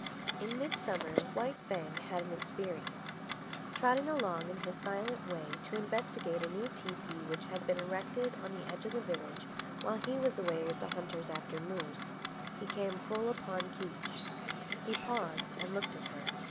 In midsummer White Fang had an experience. Trotting along in his silent way to investigate a new tepee which had been erected on the edge of the village while he was away with the hunters after moose, he came full upon Kiche. He paused and looked at her.